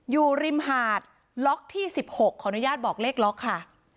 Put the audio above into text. อยู่ริมหาดล็อกที่๑๖ขออนุญาตบอกเลขล็อกค่ะ